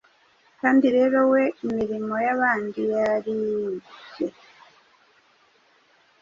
Kandi rero We imirimo yabandi yaribye,